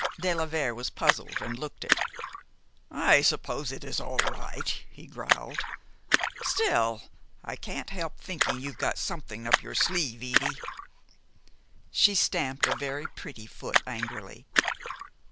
De la Vere was puzzled, and looked it. "I suppose it is all right," he growled. "Still, I can't help thinking you've got something up your sleeve, Edie." She stamped a very pretty foot angrily.